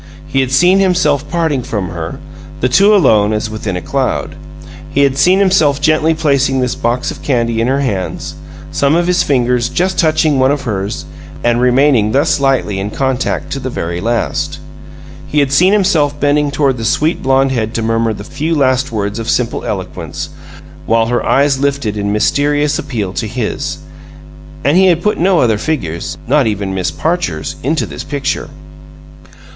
He had seen himself parting from her, the two alone as within a cloud. He had seen himself gently placing his box of candy in her hands, some of his fingers just touching some of hers and remaining thus lightly in contact to the very last. He had seen himself bending toward the sweet blonde head to murmur the few last words of simple eloquence, while her eyes lifted in mysterious appeal to his and he had put no other figures, not even Miss Parcher's, into this picture.